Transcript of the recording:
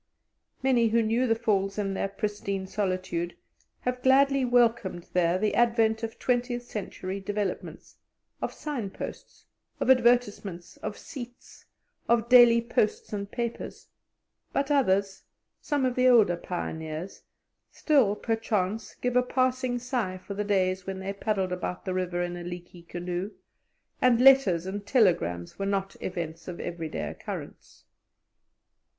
Many who knew the Falls in their pristine solitude have gladly welcomed there the advent of twentieth century developments, of sign posts, of advertisements, of seats, of daily posts and papers; but others, some of the older pioneers, still, perchance, give a passing sigh for the days when they paddled about the river in a leaky canoe, and letters and telegrams were not events of everyday occurrence.